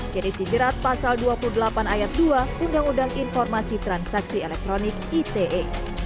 jenisi jerat pasal dua puluh delapan ayat dua undang undang informasi transaksi elektronik ite